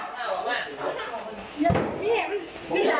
แต่เท่านั้นที่สุดของเรา